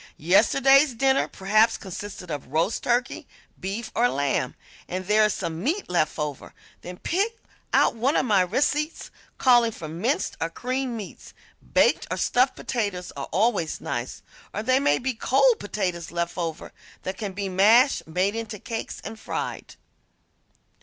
Yesterday's dinner perhaps consisted of roast turkey, beef or lamb, and there is some meat left over; then pick out one of my receipts calling for minced or creamed meats; baked or stuffed potatoes are always nice, or there may be cold potatoes left over that can be mashed, made into cakes and fried.